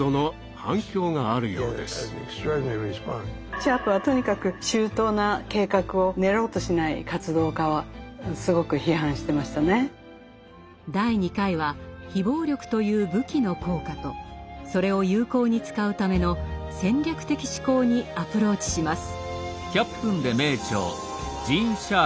シャープはとにかく第２回は非暴力という「武器」の効果とそれを有効に使うための戦略的思考にアプローチします。